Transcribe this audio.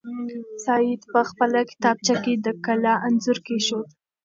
سعید په خپله کتابچه کې د کلا انځور کېښود.